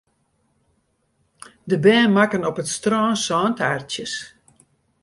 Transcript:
De bern makken op it strân sântaartsjes.